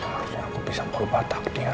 harusnya aku bisa melupakan takdir